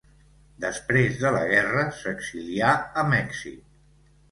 Després de la guerra s’exilià a Mèxic.